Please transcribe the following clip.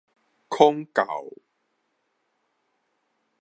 孔教